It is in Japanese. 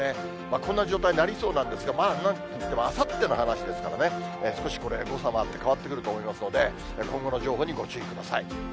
こんな状態になりそうなんですが、まあなんといってもあさっての話ですからね、少しこれ、誤差もあって、変わってくると思いますので、今後の情報にご注意ください。